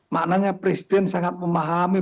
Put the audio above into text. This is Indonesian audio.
maknanya presiden sangat memahami